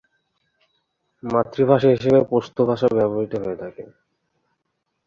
মাতৃভাষা হিসেবে পশতু ভাষা ব্যবহৃত হয়ে থাকে।